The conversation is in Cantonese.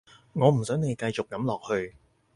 我唔想你繼續噉落去